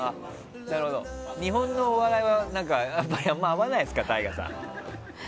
日本のお笑いはあんまり合わないですか、ＴＡＩＧＡさん。